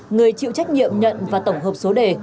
người chịu trách nhiệm nhận và tổng hợp số đề